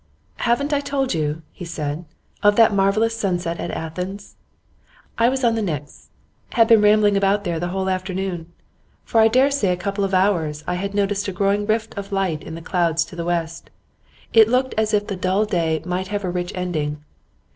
'Haven't I told you,' he said, 'of that marvellous sunset at Athens? I was on the Pnyx; had been rambling about there the whole afternoon. For I dare say a couple of hours I had noticed a growing rift of light in the clouds to the west; it looked as if the dull day might have a rich ending.